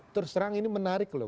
terus terang ini menarik loh